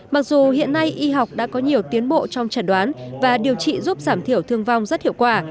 mặc dù hiện nay y học đã có nhiều tiến bộ trong trần đoán và điều trị giúp giảm thiểu thương vong rất hiệu quả